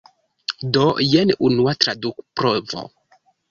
Do jen unua tradukprovo.